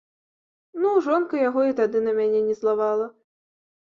Ну, жонка яго і тады на мяне не злавала.